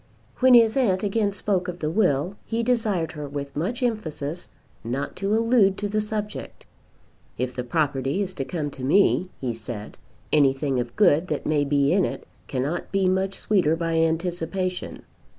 When his aunt again spoke of the will he desired her with much emphasis not to allude to the subject. "If the property is to come to me," he said, "anything of good that may be in it cannot be much sweeter by anticipation.